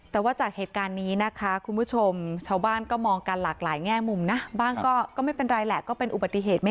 แต่ว่าจากเหตุการณ์นี้นะคะคุณผู้ชม